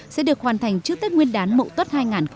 sẽ được hoàn thành trước tết nguyên đán mậu tốt hai nghìn một mươi tám